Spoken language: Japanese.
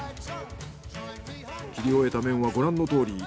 切り終えた麺はご覧のとおり。